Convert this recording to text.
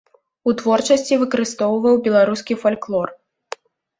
У творчасці выкарыстоўваў беларускі фальклор.